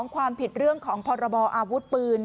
ความผิดเรื่องของพรบออาวุธปืน